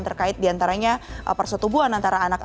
terkait diantaranya persetubuhan antara anak anak